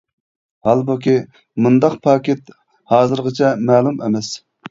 ھالبۇكى مۇنداق پاكىت ھازىرغىچە مەلۇم ئەمەس.